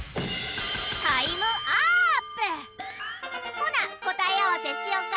ほなこたえあわせしよか。